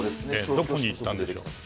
どこに行ったんでしょうか。